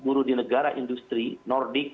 buruh di negara industri nordik